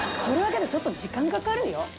これだけでちょっと時間かかるよ。